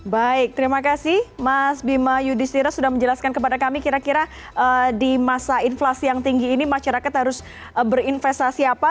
baik terima kasih mas bima yudhistira sudah menjelaskan kepada kami kira kira di masa inflasi yang tinggi ini masyarakat harus berinvestasi apa